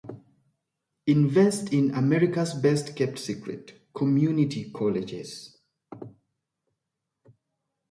invest in America’s best-kept secret: community colleges.